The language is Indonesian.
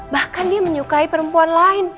bahkan dia menyukai perempuan lain